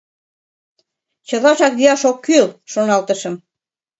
Чылажак йӱаш ок кӱл, шоналтышым.